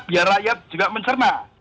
biar rakyat juga mencermat